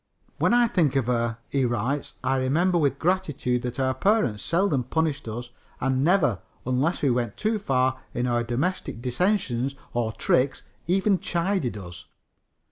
"When I think of her," he writes, "I remember with gratitude that our parents seldom punished us, and never, unless we went too far in our domestic dissensions or tricks, even chided us.